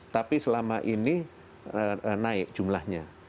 tapi selama ini naik jumlahnya